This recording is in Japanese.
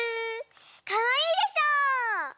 かわいいでしょう？